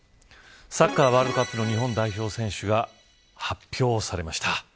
サッカーワールドカップの日本代表選手が発表されました。